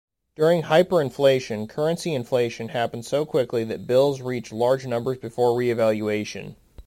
During hyperinflation, currency inflation happens so quickly that bills reach large numbers before revaluation.